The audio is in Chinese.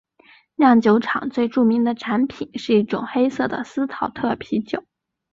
酿酒厂最著名的产品是一种黑色的司陶特啤酒。